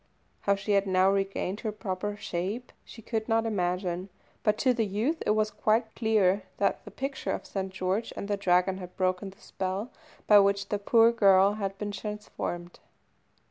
How she had now regained her proper shape she could not imagine, but to the youth it was quite clear that the picture of St. George and the Dragon had broken the spell by which the poor girl had been transformed.